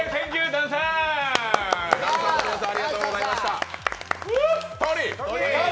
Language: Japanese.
ダンサーの皆さんありがとうございました。